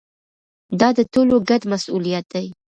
دا د ټولو ګډ مسؤلیت دی.